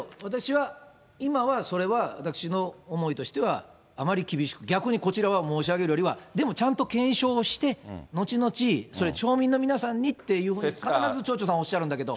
今はそれは私の思いとしてはあまり厳しく、逆にこちらは申し上げるよりは、でもちゃんと検証して、後々、それ町民の皆さんにって、必ず町長さんはおっしゃるんだけど。